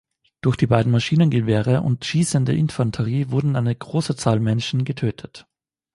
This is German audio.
Durch die beiden Maschinengewehre und schießende Infanterie wurden eine große Zahl Menschen getötet.